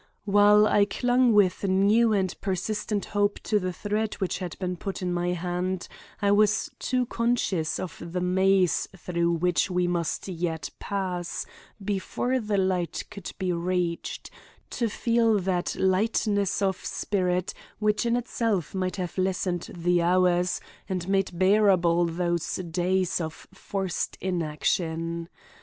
While I clung with new and persistent hope to the thread which had been put in my hand, I was too conscious of the maze through which we must yet pass, before the light could be reached, to feel that lightness of spirit which in itself might have lessened the hours, and made bearable those days of forced inaction.